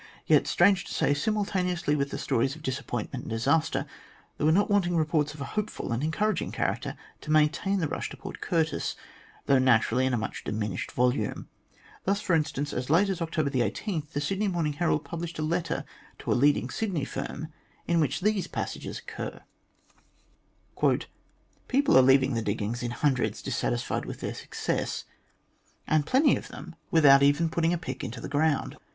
Yet, strange to say, simultaneously with the stories of disappointment and disaster, there were not wanting reports of a hopeful and encouraging character to maintain the "rush" to Port Curtis, though naturally in a much diminished volume. Thus, for instance, as late as October 18, the Sydney Morn ing Herald published a letter to a leading Sydney firm, in which these passages occur :" People are leaving the diggings in hundreds, dissatisfied with their success, and plenty of them without even putting a pick into 120 THE GLADSTONE COLONY the ground.